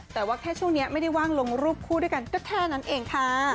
แต่ว่าแค่ช่วงนี้ไม่ได้ว่างลงรูปคู่ด้วยกันก็แค่นั้นเองค่ะ